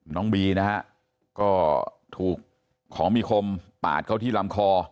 น้องบีนะฮะก็ถูกของมีคมปาดเข้าที่ลำคอ